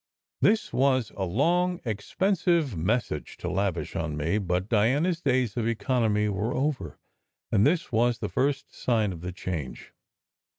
This was a long, expensive message to lavish on me; but Diana s days of economy were over, and this was the first sign of the change.